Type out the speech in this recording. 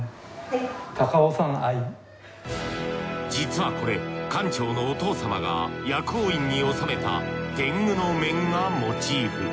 実はこれ館長のお父様が薬王院に納めた天狗の面がモチーフ。